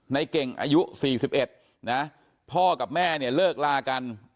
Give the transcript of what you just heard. นายเก่งอายุสี่สิบเอ็ดนะฮะพ่อกับแม่เนี่ยเลิกลากัน